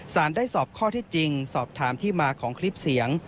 ได้สอบข้อที่จริงสอบถามที่มาของคลิปเสียง